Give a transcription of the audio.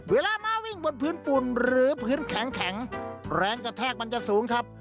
ม้าวิ่งบนพื้นปุ่นหรือพื้นแข็งแรงกระแทกมันจะสูงครับ